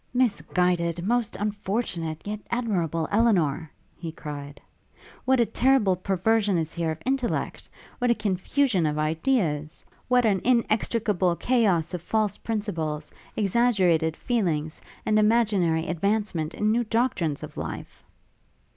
'Misguided, most unfortunate, yet admirable Elinor!' he cried, 'what a terrible perversion is here of intellect! what a confusion of ideas! what an inextricable chaos of false principles, exaggerated feelings, and imaginary advancement in new doctrines of life!'